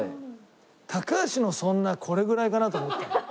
高橋の「そんな」はこれぐらいかなと思ったの。